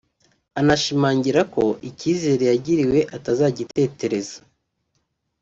anashimangira ko icyizere yagiriwe atazagitetereza